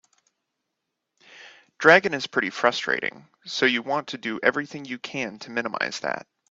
Dragon is pretty frustrating, so you want to do everything you can to minimize that.